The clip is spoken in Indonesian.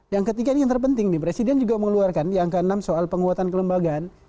yang ketiga ini yang terpenting nih presiden juga mengeluarkan yang keenam soal penguatan kelembagaan